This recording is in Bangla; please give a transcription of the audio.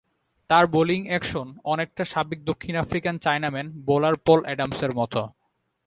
তাঁর বোলিং অ্যাকশন অনেকটা সাবেক দক্ষিণ আফ্রিকান চায়নাম্যান বোলার পল অ্যাডামসের মতো।